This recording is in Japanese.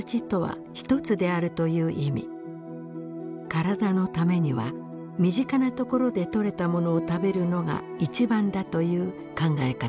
体のためには身近なところで取れたものを食べるのが一番だという考え方です。